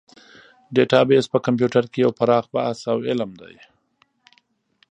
ډیټابیس په کمپیوټر کې یو پراخ بحث او علم دی.